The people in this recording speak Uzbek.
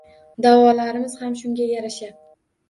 Da’volarimiz ham shunga yarasha